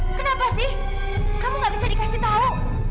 kenapa sih kamu gak bisa dikasih tahu